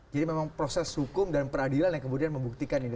jadi memang proses hukum dan peradilan yang kemudian membuktikan ini